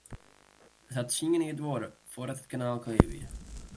It hat tsien jier duorre foardat it kanaal klear wie.